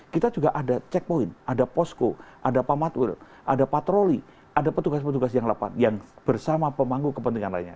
kita juga ada checkpoint ada posko ada pamatul ada patroli ada petugas petugas yang bersama pemanggu kepentingan lainnya